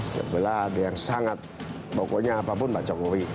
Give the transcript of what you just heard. sebelah ada yang sangat pokoknya apapun pak jokowi